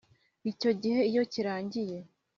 icyo gihe iyo kirangiye